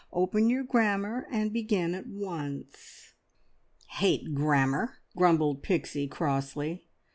Open your grammar and begin at once." "Hate grammar!" grumbled Pixie crossly.